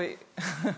ハハハハ。